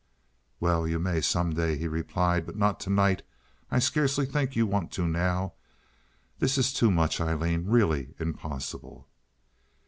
"Well, you may, some day," he replied, "but not to night. I scarcely think you want to now. This is too much, Aileen—really impossible."